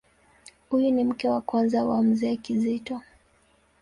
Huyu ni mke wa kwanza wa Mzee Kizito.